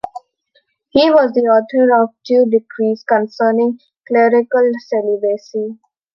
He was the author of two decrees concerning clerical celibacy.